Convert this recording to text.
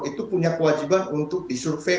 itu punya kewajiban untuk disurvey